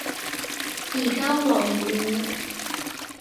而家黃雨